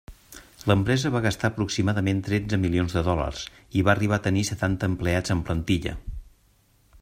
L'empresa va gastar aproximadament tretze milions de dòlars i va arribar a tenir setanta empleats en plantilla.